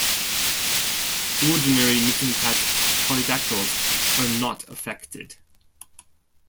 Ordinary mitten cat polydactyls are not affected.